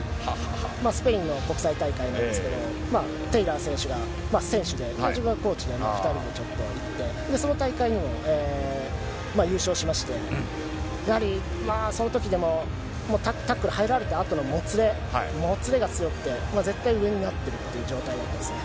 スペインの国際大会なんですけど、テイラー選手が選手で、自分はコーチで２人ちょっと行って、その大会でも優勝しまして、やはりそのときでも、もうタックル入られたあとのもつれ、もつれが強くて、絶対上になってるっていう状態だったですね。